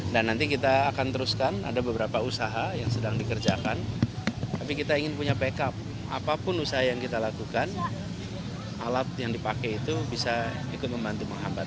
dan nanti kita akan teruskan ada beberapa usaha yang sedang dikerjakan tapi kita ingin punya backup apapun usaha yang kita lakukan alat yang dipakai itu bisa ikut membantu menghambat